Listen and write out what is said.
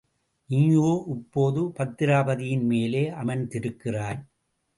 நீயோ இப்போது பத்திராபதியின்மேலே அமர்ந்திருக்கிறாய்.